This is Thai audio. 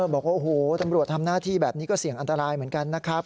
บอกว่าโอ้โหตำรวจทำหน้าที่แบบนี้ก็เสี่ยงอันตรายเหมือนกันนะครับ